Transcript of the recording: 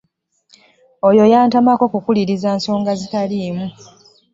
Oyo yantamako kukuliriza nsonga n'ezitaliimu.